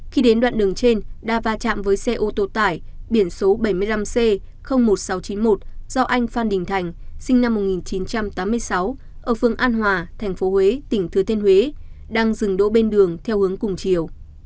khi đến đoạn đường trên đa va chạm với xe ô tô tải biển số bảy mươi năm c một nghìn sáu trăm chín mươi một do anh phan đình thành sinh năm một nghìn chín trăm tám mươi sáu ở phương an hòa thành phố huế tỉnh thừa thiên huế đang dừng đỗ bên đường theo hướng cùng chiều